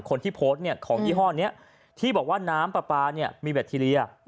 คนที่โพสต์ของยี่ห้อนี้ที่บอกว่าน้ำปรปามีแบททีเรีย